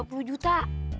hah dua puluh juta